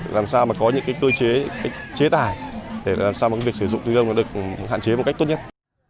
làm sao mà có những cái cơ chế chế tải để làm sao mà cái việc sử dụng túi linh lông được hạn chế một cách tốt nhất